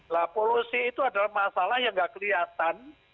nah polusi itu adalah masalah yang nggak kelihatan